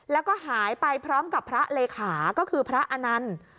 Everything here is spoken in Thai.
แล้วก็หายไปพร้อมกับพระเลขาก็คือพระอนันต์